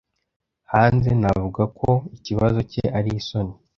Hanze, navuga ko ikibazo cye ari isoni.